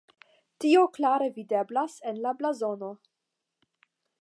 Tio klare videblas en la blazono.